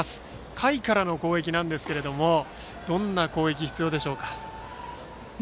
下位からの攻撃なんですがどんな攻撃が必要でしょうか。